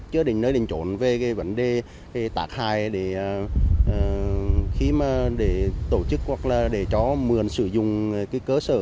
chưa định nơi định trốn về vấn đề tạc hại để tổ chức hoặc là để cho mượn sử dụng cơ sở